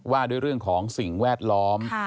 ว่าด้วยเรื่องของสิ่งแวดล้อม